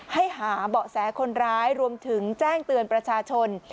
หาเบาะแสคนร้ายรวมถึงแจ้งเตือนประชาชน